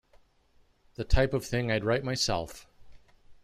The type of thing I'd write myself'.